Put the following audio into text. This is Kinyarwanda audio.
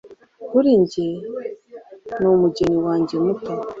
Kuri njye numugeni wanjye muto